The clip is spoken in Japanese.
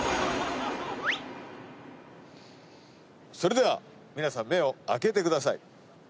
それでは皆さん目を開けてください。